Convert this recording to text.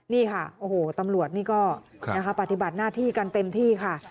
นี่ค่ะโอ้โหตำรวจนี่ก็ปฏิบัติหน้าที่กันเต็มที่ค่ะ